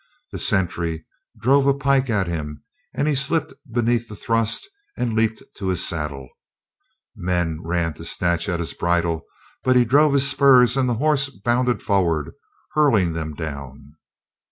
The sentry drove a pike at him and he slipped beneath the thrust and leaped to his saddle. Men ran to snatch at his bridle, but he drove in his spurs and the horse bounded forward, hurling them down.